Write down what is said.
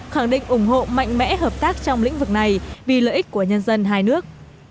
khẳng định ủng hộ mạnh mẽ hợp tác trong lĩnh vực này vì lợi ích của nhân dân hai nước